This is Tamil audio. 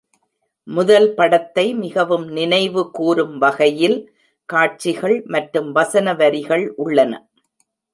முதல் படத்தை மிகவும் நினைவுகூரும் வகையில் காட்சிகள் மற்றும் வசன வரிகள் உள்ளன.